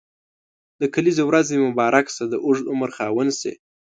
د کلیزي ورځ دي مبارک شه د اوږد عمر خاوند سي.